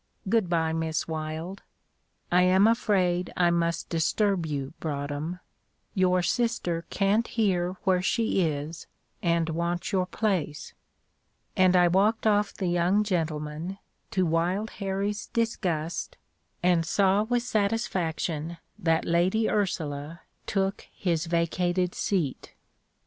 Good bye, Miss Wylde. I am afraid I must disturb you, Broadhem; your sister can't hear where she is, and wants your place;" and I walked off the young gentleman, to Wild Harrie's disgust, and saw with satisfaction that Lady Ursula took his vacated seat.